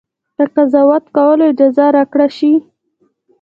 که قضاوت کولو اجازه راکړه شي.